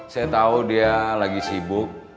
saya tahu dia lagi sibuk